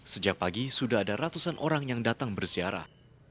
sejak pagi sudah ada ratusan orang yang datang berziarah